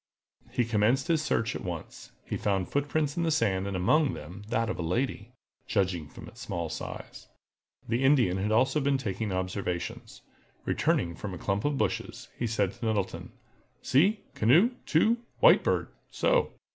He commenced his search at once. He found footprints in the sand, and among them that of a lady, judging from its small size. The Indian had also been taking observations. Returning from a clump of bushes, he said to Nettleton: "See—canoe—two—White Bird—so!"